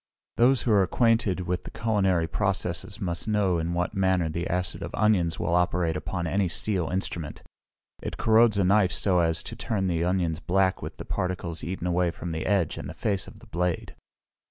Those who are acquainted with culinary processes must know in what manner the acid of onions will operate upon any steel instrument; it corrodes a knife so as to turn the onions black with the particles eaten away from the edge and the face of the blade.